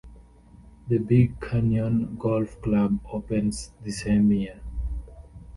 The Big Canyon Golf Club opens the same year.